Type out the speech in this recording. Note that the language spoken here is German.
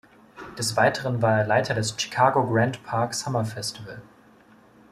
Des Weiteren war er Leiter des Chicago Grant Park Summer Festival.